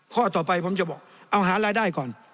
ข้อต่อไปผมจะบอกเอาหารายได้ก่อน